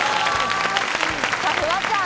フワちゃん